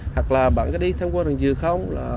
hoặc là bạn có đi thăm qua đường dừa không